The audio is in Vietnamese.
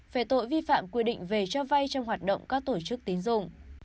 về tội vi phạm quy định về cho vay trong hoạt động các tổ chức tín dụng